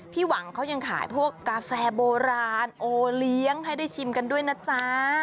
หวังเขายังขายพวกกาแฟโบราณโอเลี้ยงให้ได้ชิมกันด้วยนะจ๊ะ